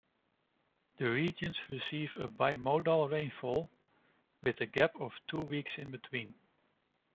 The regions receive a bimodal rainfall with a gap of two weeks in between.